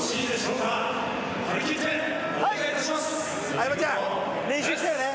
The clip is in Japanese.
相葉ちゃん練習したよね。